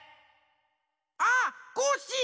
あっコッシー！